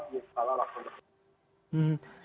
di sekolah waktu lalu